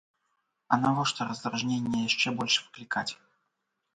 А навошта раздражненне яшчэ больш выклікаць?